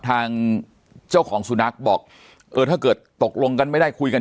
ทางเจ้าของสุนัขบอกเออถ้าเกิดตกลงกันไม่ได้คุยกัน